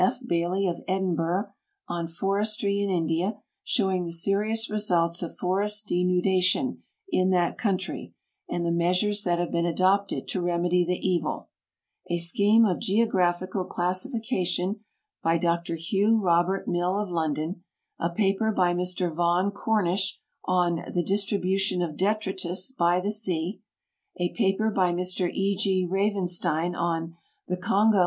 F. Bailey, of Edinburgh, on Forestry in India, showing the serious results of forest denudation in that country and the measures that have been adopted to remedy the evil; a Scheme of Geographical Classification, by Dr Hugh Robert Mill, of London ; a paper by Mr Vaughn Cornish, on The Distribution of Detritus by the Sea; THE BRITISH ASSOCIA 770.V 249 a paper by Mr E. G. Ravenstein, on The Kongo an.